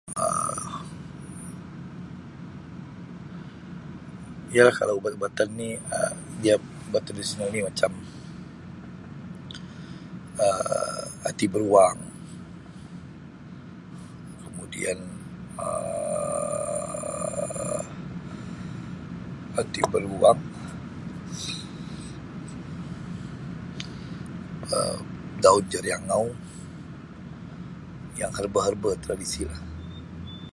Um Ya kalau ubat-ubatan ni Um dia ubat tradisonal ni macam Um hati beruang kemudian Um hati beruang Um daun jariangau yang herba-herba tradisi lah.